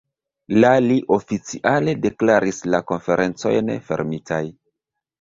La li oficiale deklaris la Konferencojn fermitaj.